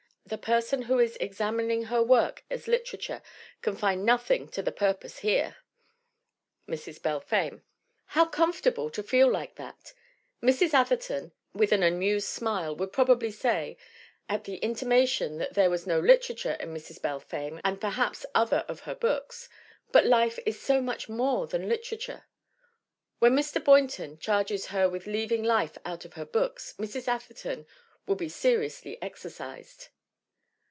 ... The person who is examining her work as literature can find nothing to the purpose here (Mrs. Balfame)." How comfortable to feel like that ! Mrs. Atherton, with an amused smile, would probably say, at the in timation that there was no "literature" in Mrs. Bal fame, and perhaps other of her books : "But life is so much more than literature!" When Mr. Boynton charges her with leaving life out of her books Mrs. Atherton will be seriously exercised.